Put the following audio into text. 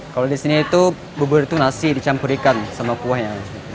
kalau di sini itu bubur itu nasi dicampur ikan sama kuahnya